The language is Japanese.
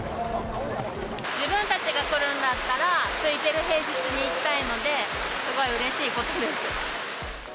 自分たちが来るんだったら、すいてる平日に行きたいので、すごいうれしいことです。